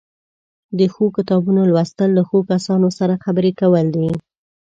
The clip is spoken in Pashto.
د ښو کتابونو لوستل له ښو کسانو سره خبرې کول دي.